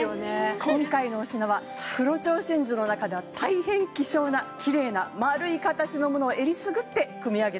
今回のお品は黒蝶真珠の中では大変希少なきれいな丸い形のものを選りすぐって組み上げております。